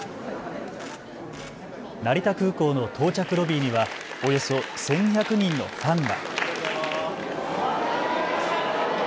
成田空港の到着ロビーにはおよそ１２００人のファンが。